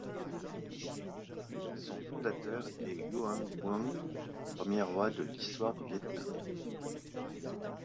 Son fondateur est Hùng Vương, premier roi de l'histoire du Viêt Nam.